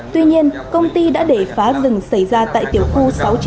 tuy nhiên công ty đã để phá rừng xảy ra tại tiểu khu sáu trăm chín mươi hai sáu trăm tám mươi sáu